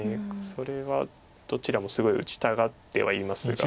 それはどちらもすごい打ちたがってはいますが。